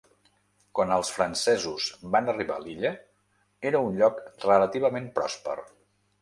Quan els francesos van arribar a l'illa, era un lloc relativament pròsper.